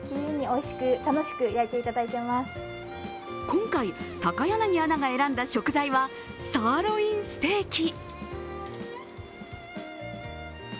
今回、高柳アナが選んだ食材はサーロインステーキ。